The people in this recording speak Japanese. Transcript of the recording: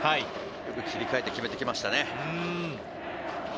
切り替えて決めてきましたね。